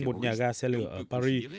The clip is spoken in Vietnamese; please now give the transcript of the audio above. một nhà ga xe lửa ở paris